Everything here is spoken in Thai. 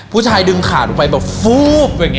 ผู้ชายดึงขาดออกไปแบบฟู๊บ